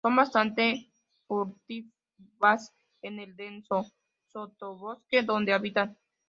Son bastante furtivas en el denso sotobosque donde habitan.